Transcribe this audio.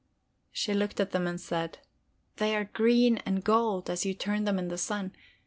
She looked at them and said: "They are green and gold, as you turn them in the sun.